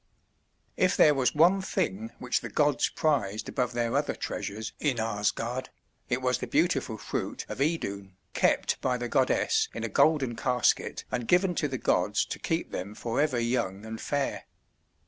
If there was one thing which the gods prized above their other treasures in Asgard, it was the beautiful fruit of Idun, kept by the goddess in a golden casket and given to the gods to keep them forever young and fair.